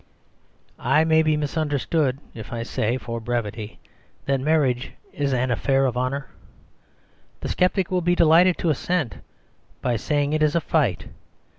• I may be misunderstood if I say, for brevity, / that marriage is an affair of honour. The sceptic will be delighted to assent, by saying it is a fight.